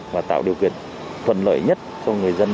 và tạo điều kiện thuận lợi nhất cho người dân